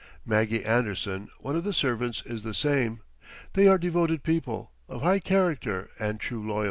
Maggie Anderson, one of the servants, is the same. They are devoted people, of high character and true loyalty.